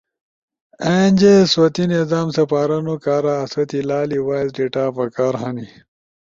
اینجے سوتی نظام سپارونو کارا آسو تی لالی وائس ڈیٹا پکار ہنی۔